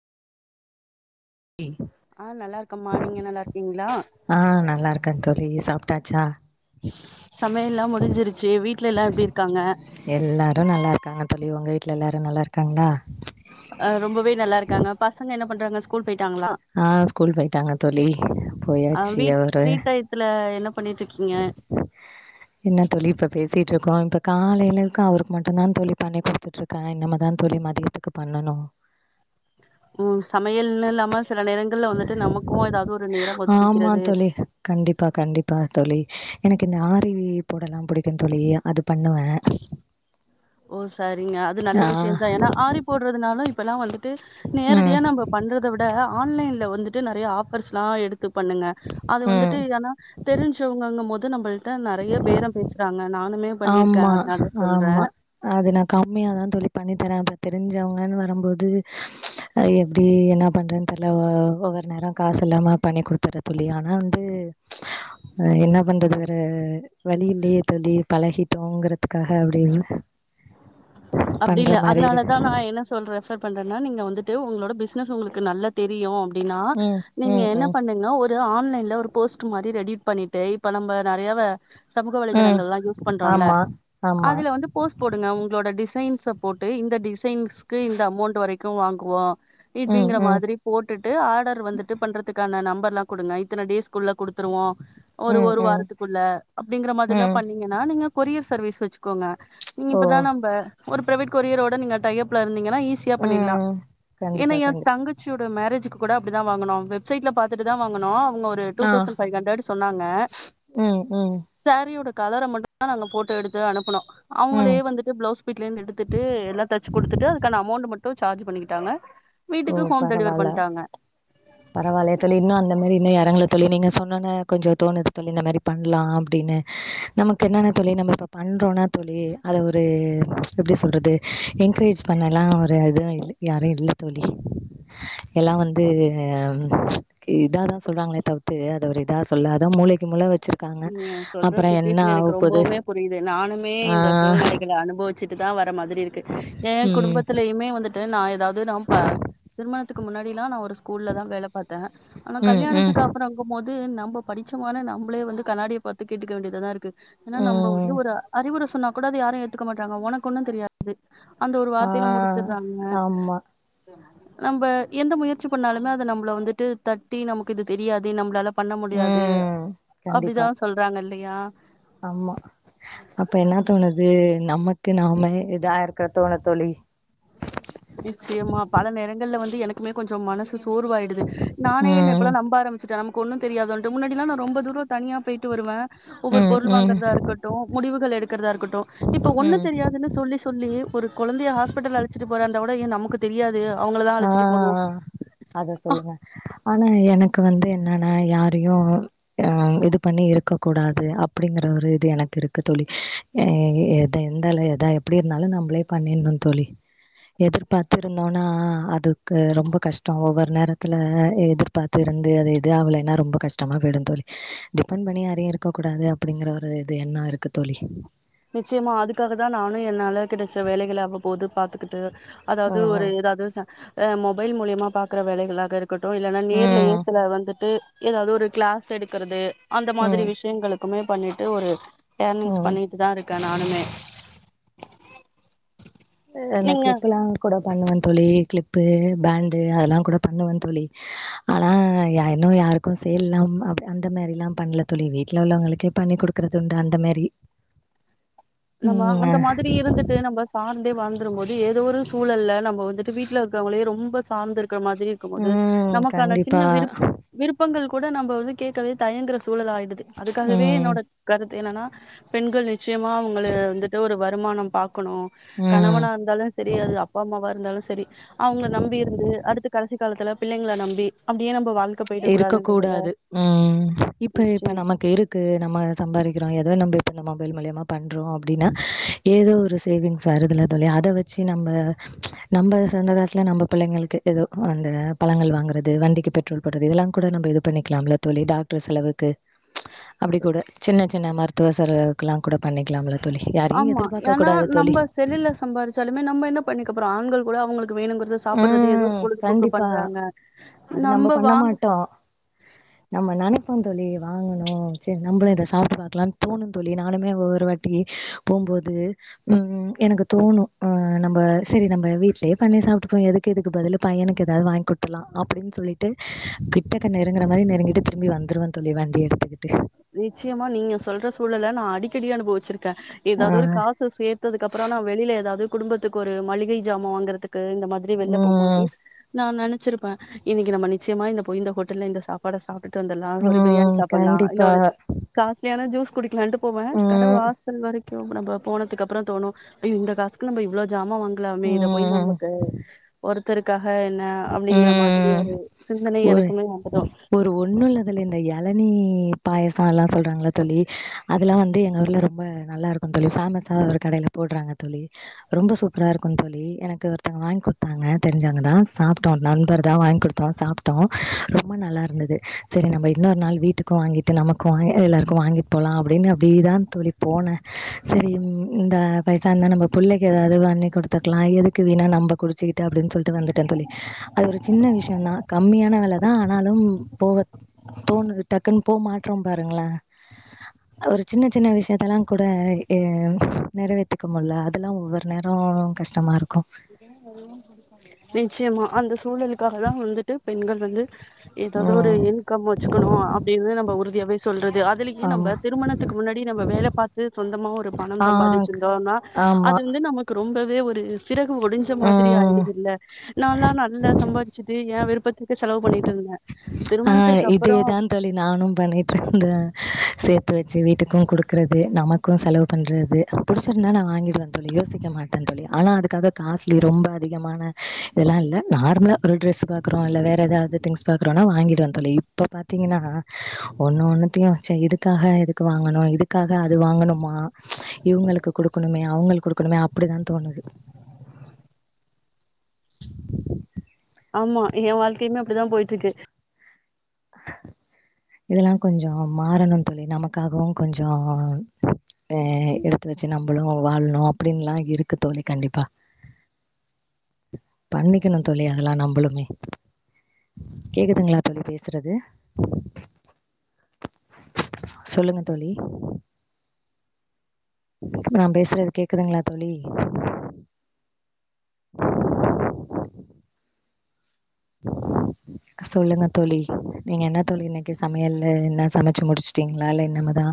D ஆ நல்லா இருக்கம்மா நீங்க நல்லா இருக்கீங்களா ஆ நல்லா இருக்கே தோழி சாப்டாச்சா சமையல்லாம் முடிஞ்சிருச்சு வீட்ல எல்லா எப்படி இருக்காங்க எல்லாரு நல்லா இருக்காங்க தோழி உங்க வீட்ல எல்லாரு நல்லாருக்காங்களா அ ரொம்பவே நல்லா இருக்காங்க பசங்க என்ன பண்றாங்க ஸ்கூல் போய்ட்டாங்களா ஆ ஸ்கூல் போயிட்டாங்க தோழி அ போயாச்சு வீட் அவரு ஃப்ரீ டயத்துல என்ன பண்ணிட்டு இருக்கீங்க என்ன தோழி இப்ப பேசிட்டு இருக்கோ இப்ப காலைல இருந்து அவருக்கு மட்டும் தா தோழி பண்ணி கொடுத்துட்டு இருக் நா இனிமே தா தோழி மதியத்துக்கு பண்ணணு ம் சமையல்னு இல்லாம சில நேரங்கள்ல வந்துட்டு நமக்கும் ஏதாவது ஒரு நேர ஆமா ஒதுக்கிக்கிறது தோழி கண்டிப்பா கண்டிப்பா தோழி எனக்கு இந்த ஆரி போடல்லா பிடிக்கும் தோழி அது பண்ணுவே ஓ சரிங்க அது நல்ல ஆ விஷய தான் ஏன்னா ஆரி போடுறதுனாலும் இப்பெல்லா வந்துட்டு ம் நேரடியா நம்ம பண்றத விட ஆன்லைன்ல வந்துட்டு நிறைய ஆஃபர்ஸ்லா எடுத்து பண்ணுங்க அது வந்துட்டு ம் ஏன்னா தெரிஞ்சவங்கங்கும் போது நம்மள்ட்ட நிறைய பேரம் பேசுறாங்க நானுமே பண்ணிருக்கே ஆமா அதனால சொல்றே ஆமா அது நா கம்மியாதான் தோழி பண்ணி தரேன் அப்ப தெரிஞ்சவங்கன்னு வரும்போது எப்டி என்ன பண்ணுறதுன்னு தெரில ஒவ்வொரு நேரம் காசு இல்லாம பண்ணி கொடுத்துட்ட தோழி ஆனா வந்து அ என்ன பண்றது வேற வழி இல்லயே தோழி பழகிட்டோங்கிறதுக்காக அப்டி இல்ல அப்டி இல்ல இருக்கு அதனாலதா நா என்ன சொல்ற ரெஃபர் பண்றேன்னா நீங்க வந்துட்டு உங்களோட பிசினஸ் உங்களுக்கு நல்ல தெரியும் அப்டின்னா ம் நீங்க ம் என்ன ம் பண்ணுங்க ஒரு இது ஆன்லைன்ல ஒரு போஸ்ட் மாரி ரெடி பண்ணிட்டு இப்ப நம்ம நிறையாவ சமூக ம் வலைதளங்கள்லா யூஸ் பண்றோல்ல ஆமா ஆமா அதுல வந்து போஸ்ட் போடுங்க உங்களோட டிஸ் சைன்ஸ போட்டு இந்த டிசைன்ஸ்க்கு இந்த அமௌண்ட் வரைக்கும் வாங்குவோ ம் இப்படிங்கற ம் மாதிரி போட்டுட்டு ஆர்டர் வந்துட்டு பண்றதுக்கான நம்பர் எல்லா குடுங்க இத்தனை டேஸ்க்குள்ள குடுத்துருவோ ஒரு ம் ஒரு ம் வாரத்துக்குள்ள அப்படிங்கற மாதிரில்லா ம் பண்ணீங்கன்னா நீங்க கொரியர் சர்வீஸ் வச்சு க்கோங்க நீங்க ஓ இப்பதான் நம்ப ஒரு பிரைவேட் கொரியரோட நீங்க டை அப்ல இருந்தீங்கன்னா ஈஸி ஈஸியா பண்ணிடலாம் ம் ஏன்னா கண்டிப்பா என் கண்டிப்பா தங்கச் சியோட மேரேஜுகு கூட அப்டிதா வாங்கனோ வெப்சைட்ல பாத்துட்டு தா வாங்குனோ அவுங்க இது டூ ஆ தௌசண்ட் பைவ் ஹண்ட்ரட் சொன்னாங்க ம் ம் சாரியோட கலர மட்டும் தா நாங்க போட்டோ எடுத்து அனுப்புனோ அவங்களே ம் வந்துட்டு பிளவுஸ் வீட்ல இருந்து எடுத்துட்டு எல்லா தச்சு கொடுத்துட்டுஅதுக்கான அமௌண்ட் மட்டும் சார்ஜ் பண்ணிக்கிட்டாங்க வீட்டுக்கு ஹோம்டெலிவர் பண்ணிட்டாங்க பரவாயில்லயே தோழி இன்னு அந்த மாறி இன்னு இரங்கல தோழி நீங்க சொன்னோன்னே கொஞ்சோ தோணுது தோழி இந்த மாதிரி பண்ணலா அப்படின்னு நமக்கு என்னென்ன தோழி நம்ம இப்போ பண்ணுறோனா தோழி அத ஒரு எப்டி சொல்றது என்கரேஜ் பண்ணலா ஒரு இதுவு இல் யாரும் இல்ல தோழி எல்லா வந்து இதா தா சொல்வாங்களே தவிர்த்து அத ஒரு இதா சொல்லாத மூளைக்கு மூளை வச்சு நீங்க சொல்ற சுிச்சுவேஷன் எனக்கு ரொம்பவுமே புரியுது நானுமே ஆ இந்த சூழ்நிலைகளை அனுபவிச் சுட்டு தா வர மாதிரி இருக்கு ஏ ம் குடும்பத்திலேயுமே வந்துட் டு நா ஏதாவது நா திருமணத்துக்கு முன்னாடில்லா நான் ஒரு ஸ்கூல்ல தா வேல பார்த்தே ஆனா ம் ம் கல்யாணத்துக்கு அப்புறங்கும்போது நம்ம படிச்சமான நம்மளே வந்து கண்ணாடிய பாத்து கேட்டுக்க வேண்டியதா தா இருக்கு ஏன்னா நம்ப வந்து ம் ஒரு அறிவுரை சொன்னா கூட அத யாரு ஏத்துக்க மாட்டங்க உனக்கு ஒன்னு தெரியாது அந்த ஒரு ஆ வார்த்தைல முடிச்சிட்றாங்க ஆமா நம்ம எந்த முயற்சி பண்ணாலுமே அது நம்மள வந்துட்டு தட்டி நமக்கு இது தெரியாதே நம்ப்ளால பண்ண முடியாது ம் கண்டிப்பா அப்டிதா சொல்றாங்க இல்லையா ஆமா அப்ப என்ன தோணுது நமக்கு நாமே இதா இருக்கற தான தோழி நிச்சயமா பல நேரங்கள்ல வந்து எனக்குமே கொஞ்சோ மனசு சோர்வாயிடுது நானே என்ன இப்பல்லா ம் நம்ப ஆரம்பச்சுடேன் நமக்கு ஒண்ணும் தெரியாதோன்டு முன்னாடிலா நா ரொம்ப தூர தனியா போயிட்டு வருவ ஒவ்வொரு ம் பொருள் ம் வாங்கற்தா இருக்கட்டு முடிவுகள் எடுக்ற்தா இருக்கட்டு இப்ப ஒண்ணு ம் தெரியாதுன்னு சொல்லி சொல்லி ஒரு கொலந்தைய ஹாஸ்பிட்டல் அழச்சிட்டு போறந்தாகுட ஏ நமக்கு தெரியாது அவங்கள தா ஆ அத சொல்லுங்க ஆனா எனக்கு வந்து என்னன்னா யாரையு அ இது பண்ணி இருக்க கூடாது அப்டிங்கற ஒரு இது எனக்கு இருக்கு தோழி எ எத எந்தல எதா எப்டி இருந்தாலு நம்ப்ளே பண்ணின்னு தோழி எதிர்பாத்திருந்தோனா அதுக்கு ரொம்ப கஷ்டொ ஒவ்வொரு நேரத்துல எதிர்பாத்து இருந்து அது எது ஆவலன்னா ரொம்ப கஷ்டமா பேடு தோலி டிபெண்ட் பண்ணி யாரையு இருக்க கூடாது அப்டிங்கற ஒரு இது எண்ணொ இருக்கு தோழி நிச்சயமா அதுக்காக தா நானு என்னால கெடச்ச வேலைகள அவ்வபோது பாத்துக்கிட்டு அதாவது ஒரு ம் ஏதாவது மொபைல் மூலியமா பாக்ற வேலைகளாக இருக் கட்டு இல்லன்னா நேர்ல ஏ ம் சில வந்துட்டு ஏதாவது ஒரு கிளாஸ் எடுக்கறது அந்த ம் மாரி ம் விஷயங்களுக் மே பண்ணிட்டு ஒரு எர்னிங்ஸ் ம் பண்ணிட்டு தா இருக்க நானுமே அந்த நீங்க கிளிப்ல்லாம் கூட பண்ணுவேன் தோழி கிளிப்பு பேண்டு அதெல்லா கூட பண்ணுவேன் தோழி ஆனா யா இன்னும் யாருக்கும் சேல்லாம் அந்த மாரிலாம் பண்ணல தோழி வீட்ல உள்ளவங்களுக்கே பண்ணி குடுக் கறதுண்டு அந்த மாறி நம்ம அந்த மாரி இருந்து ட்டு நம்ம சாந்தே வாழ்ந்துரு போது ஏதோ ஒரு சூழல்ல நம்ப வந்துட்டு வீட்ல இருக்கவங்களையு ரொம்ப சாந்து இருக்கற மாதிரி இருக்கும் போது ம் நமக்கான கண்டிப்பா சின்ன விருப் பங்கள் கூட நம்ம வந்து கேக்கவே தயங்கற சூழல் ஆயிடுது அதுக்காகவே ம் என்னோட கருத்து என்னன்னா பெண்கள் நிச்சயமா அவங்கள வந்துட்டு ஒரு வருமானம் பாக்கணு ம் கணவனா இருந்தாலும் சரி அது அப்பா அம்மாவா இருந்தாலு சரி அவங்கள நம்பி இருந்து அடுத்து கடசி காலத்துல பிள்ளைங்கள நம்பி அப்டியே நம்ம வாழ்க்க இருக்க கூடாது ம் இப்ப இப்ப நிச்சயம் நமக்கு இருக் க்கு நம்ம சம்பாதிக்கறோ எதோ நம்ப இப்ப மொபைல் மூலியமா பண்றோ அப்டின்னா ஏதோ ஒரு சேவிங்ஸ் வருதுல தோழி அத வச்சு நம்ப நம்ம சொந்த காசுல நம்ப பிள்ளைங்களுக்கு ஏதோ அந்த பழங்கள் வாங்கறது வண்டிக்கு பெட்ரோல் றது இதல்லா கூட நம் இது பண்ணிக்கலாம்ல தோழி டாக்டர் செலவுக்கு அப்டி கூட சின்ன சின்ன மருத் துவ செலவுகல்லாம் கூட பண்ணிக்கலாம்ல தோழி. யாரையும் ஆமா எதிர்பார்க்க ஏன்னா கூடாது தோழி. நம்ம செல்லுல சம்பறிச்சாலுமே நம்ப என்ன பண்ணிக்கபோறோ ஆண்கள் கூட அவங்களுக்கு வேணுங் சாப்பறது ஏதோ ம். பொழுதுபோக்கு கண்டிப்பா. பண்றாங்க அது நம்ம நம்ப பண்ண வாங் மாட்டோம். நம்ம நெனைப்போ தோழி வாங்கணும் சரி நம்மளு இத சாப்ட்டு பாக்கலானு தோணு தோழி நானுமே ஒவ்வொரு வாட்டி போம்போது உஹம் எனக்கு தோணு அ நம்ம சரி நம்ம வீட்லயே பண்ணி சாப் ட்டுபோ எதுக்கு இதுக்கு பதிலு பையனுக்கு ஏதாது வாங்கி குடுத்துலா அப்டின்னு சொல்லிட்டு கிட்டக்க நெருங்கற மாரி நெருங்கிட்டு திரும்பி வந்துருவே தோழி வண்டி எடுத்துக்கிட்டு நிச்சயிமா நீங்க சொல்ற சூழல நா அடிக்கடி அனுபவிச்சிருக்க ஆ ஏதாவது ஒரு காசு சேத்ததுக்கு அப்புறோ நா வெளியில ஏதாவது குடும்பத்துக்கு ஒரு மளிகை ஜாமான் வாங்குறதுக்கு இந்த மாரி வெள்ள போம்போது ம் நா நினைச்சிருப்பே இன்னைக்கு நம்ம நிச்சயமா இந்த போய் இந்த ஹோட்டல்ல இந்த சாப் பாட சாப்ட்டுட்டு வந்துடலா ஒரு பிரியாணி ம் சாப்டலா இல்ல கண்டிப்பா ஒரு காஸ்ட்லியான ஜூஸ் குடிக்கலான்டு போவே கட ம் வாசல் வரைக் நம்ப போனதுக்கு அப்புறோ தோணு ஐ இந்த காசுக்கு நம்ம இவ்ளோ ஜாமா லாமே இத போய் ம் நமக்கு ஒருத்தருக்காக என்ன அ அப்டிங்கற மாதிரி ம் ஒரு சிந்தனை ஒரு எனக்குமே வந்துடு ஒரு ஒண்ணு இல்ல தோழி இந்த இளனி பாயாசொல்லா சொல்றாங்கள தோழி அதெல்லா வந்து எங்க ஊர்ல ரொம்ப நல்லா இருக்கு தோழி ஃபேமஸா ஒரு கடையில போடுறாங்க தோழி ரொம்ப சூப்பரா இருக்கு தோழி எனக்கு ஒருத்தங்க வாங்கி குடுத்தாங்க தெரிஞ்சவங்கதா சாப்டோம் நண்பர் தா வாங்கி குடுத்தா சாப்ட்டோ ரொம்ப நல்லாருந்தது சரி நம்ம இன்னொரு நாள் வீட்டுக்கு வாங்கிட்டு நமக்கு வாங் எல்லாருக்கு வாங்கி போலா அப்டின்னு அப்டிதா தோழி போனே சரி இந்த பைசா இருந்தா நம்பொ புள்ளக்கி ஏதாவது வாங்கி குடுத்துருக்கலா எதுக்கு வீணா நம்ப குடிச்சிக்கிட்டு அப்டின்னு சொல்லிட்டு வந்துட்டே தோழி அது ஒரு சின்ன விஷயம்தா கம்மியான வெலதா ஆனாலும் போக தோணுது டக்குன்னு போ மாற்றோ பாருங்களே ஒரு சின்ன சின்ன விஷயத்தெல்லா கூட ஆ நெறைவேத்திக்க முல்ல அதெல்லா ஒவ்வொரு நேரோ கஷ் டமா இருக்கு நிச்சயமா அந்த சூழலுக்காக தா வந்துட்டு பெண்கள் வந்து எதாது ஒரு ம் இன்கம் வச்சுக்கணு அப்டின்னு நம்ம உறுதியாவே சொல்றது அதுலயு நம்ப ஆமா திருமண த்துக்கு முன்னாடி நம்ம வேல பாத்து சொந்தமா ஒரு பணம் ஆ சம்பாதிச்சிருந்தோனா ஆமா அது வந்து நமக் ரொம்பவே ஒரு சிறகு ஒடிஞ்ச மாதிரி ம் ஆயிடுதுல்ல நால்லா நல்லா சம்பாதிச் சுட்டு ஏன் விருப்பத்துக்கு செலவு பண்ணிட்டு இருந்தே ஆ திருமணத்திற்கு இதே அப்புறோ தா தோழி நானு பண்ணிட்டு இருந்தே சேத்து வச்சு வீட்டுக்கும் குடுக்றது நமக் கும் செலவு பண்றது புடிச்சிருந்தா நா வாங்கிடுவே தோழி யோசிக்க மாட்டே தோழி ஆனா அதுக்காக காஸ்ட்லி ரொம்ப அதிகமான இதெல்லா இல்ல நார்மலா ஒரு ட்ரெஸ் பாக்றோ இல்ல வேற ஏதாது திங்ஸ் பாக் றோனா வாங்கிடுவே தோழி இப்ப பாத்தீங்கன்னா ஒன்னு ஒன்னுத்தையு ச்ச இதுக்காக எதுக்கு வாங்கணு இதுக் க்காக அது வாங்கனுமா இவங்களுக்கு கொடுக்கனுமே அவங்களுக்கு கொடுக்கனுமே அப்படிதா தோணுது ஆமா ஏ வாழ்க்கையுமே அப்படிதா போயிட்டுருக்கு இதெல்லா கொஞ்சொ மாறணு தோழி நமக்காகவு கொஞ்சொ அஹ் எடுத்து வச்சு நம்பளு வாழணு அப்டின்னுலா இருக்கு தோழி கண்டிப்பா பண்ணிக்கணு தோழி அதெல்லா நம்பளுமே கேக்குதுங்களா தோழி பேசுறது சொல்லுங்க தோழி நா பேசுறது கேக்குதுங்களா தோழி [unintelligible] சொல்லுங்க தோழி நீங்க என்ன தோழி இன்னைக்கு சமையலு என்ன சமைச்சி முடிச்சிட்டிங்களா இல்ல இன்னிமே தா